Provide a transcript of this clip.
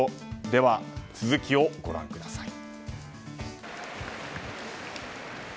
では、続きをご覧ください。